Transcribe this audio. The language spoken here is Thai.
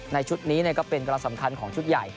ในชุดนี้ก็เป็นประสัมคัญของชุดใหญ่